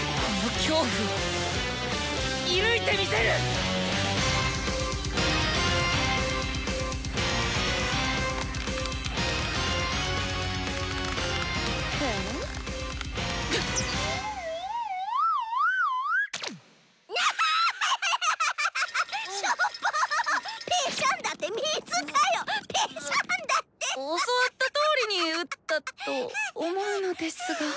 教わったとおりにうったと思うのですが。